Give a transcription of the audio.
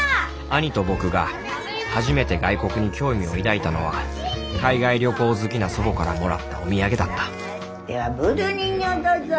兄と僕が初めて外国に興味を抱いたのは海外旅行好きな祖母からもらったお土産だったではブードゥー人形だぞ。